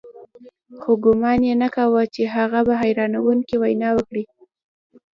خو ګومان يې نه کاوه چې هغه به حيرانوونکې وينا وکړي.